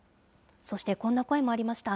そしてこんな声もありました。